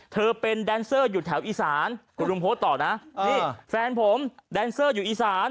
เธอเป็นแดนเซอร์อยู่แถวอีสานคุณลุงโพสต์ต่อนะนี่แฟนผมแดนเซอร์อยู่อีสาน